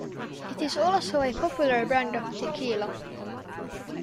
It is also a popular brand of tequila.